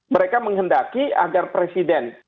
mereka menghendaki agar presiden